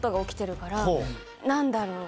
何だろう？